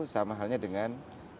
sama halnya dengan